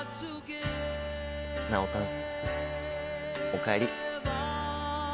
おかえり。